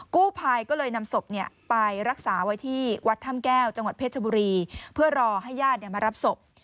กู้ภัยก็เลยนำศพไปรักษาไว้ที่วัดถ้ำแก้วจังหวัดเพชรบุรีเพื่อรอให้ญาติมารับศพ